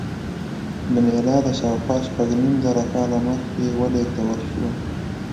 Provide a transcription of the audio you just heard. له میلاده شاوخوا شپږ نیم زره کاله مخکې ولېږدول شوه.